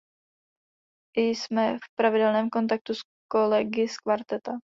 Jsme v pravidelném kontaktu s kolegy z Kvarteta.